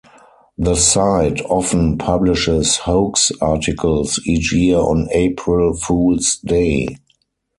The site often publishes hoax articles each year on April Fools' Day.